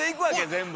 全部。